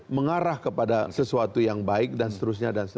mengarah kepada sesuatu yang baik dan seterusnya